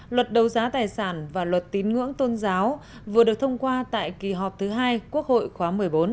luật đấu giá tài sản và luật tín ngưỡng tôn giáo vừa được thông qua tại kỳ họp thứ hai quốc hội khóa một mươi bốn